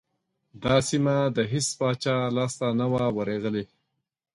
دا سیمه د هیڅ پاچا لاسته نه وه ورغلې.